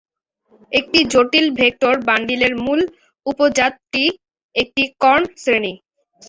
একটি জটিল ভেক্টর বান্ডিলের মূল উপজাতটি একটি কর্ন শ্রেণী।